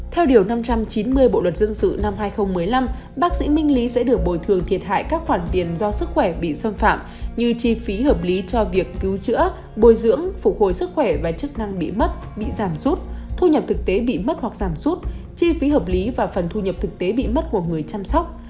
theo điều năm trăm chín mươi bộ luật dân sự năm hai nghìn một mươi năm bác sĩ minh lý sẽ được bồi thường thiệt hại các khoản tiền do sức khỏe bị xâm phạm như chi phí hợp lý cho việc cứu chữa bồi dưỡng phục hồi sức khỏe và chức năng bị mất bị giảm rút thu nhập thực tế bị mất hoặc giảm sút chi phí hợp lý và phần thu nhập thực tế bị mất của người chăm sóc